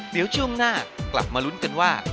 เดี๋ยวช่วงหน้ากลับมาลุ้นกันว่า